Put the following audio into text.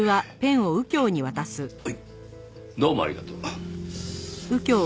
どうもありがとう。